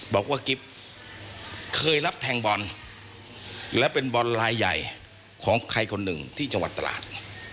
บอกว่ากิ๊บเคยรับแทงบอลและเป็นบอลลายใหญ่ของใครคนหนึ่งที่จังหวัดตลาด